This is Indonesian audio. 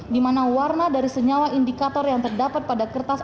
dimana warna dari senyawa indikator yang terdapat pada kertas